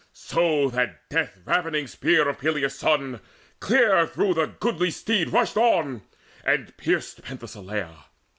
So that death ravening spear of Peleus' son Clear through the goodly steed rushed on, and pierced Penthesileia.